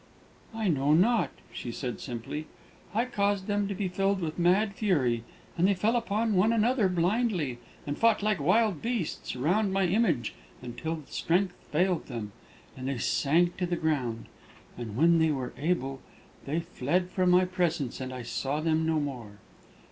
"I know not," she said simply. "I caused them to be filled with mad fury, and they fell upon one another blindly, and fought like wild beasts around my image until strength failed them, and they sank to the ground; and when they were able, they fled from my presence, and I saw them no more."